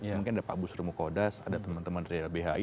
mungkin ada pak busr mukodas ada teman teman dari lbhi